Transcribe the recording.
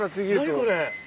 何これ。